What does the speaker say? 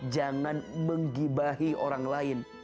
jangan menggibahi orang lain